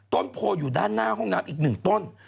ต้นโผล่อยู่ด้านหน้าห้องน้ำอีกหนึ่งต้น